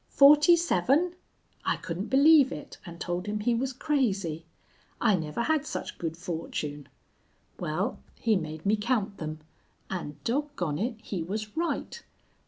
Forty seven! I couldn't believe it, and told him he was crazy. I never had such good fortune. Well, he made me count them, and, dog gone it, he was right.